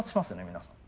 皆さん。